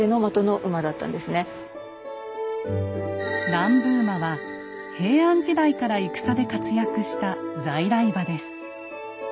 南部馬は平安時代から戦で活躍した在来馬です。